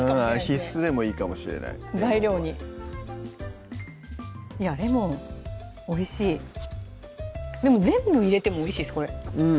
必須でもいいかもしれない材料にいやレモンおいしいでも全部入れてもおいしいです